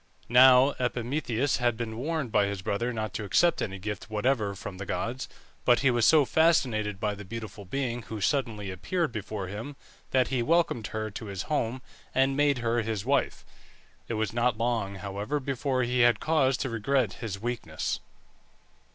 Now Epimetheus had been warned by his brother not to accept any gift whatever from the gods; but he was so fascinated by the beautiful being who suddenly appeared before him, that he welcomed her to his home, and made her his wife. It was not long, however, before he had cause to regret his weakness.